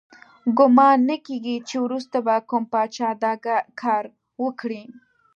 ګمان نه کیږي چې وروسته به کوم پاچا دا کار وکړي.